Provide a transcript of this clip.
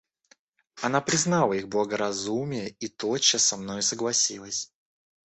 Она признала их благоразумие и тотчас со мною согласилась.